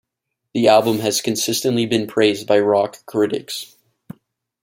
The album has consistently been praised by rock critics.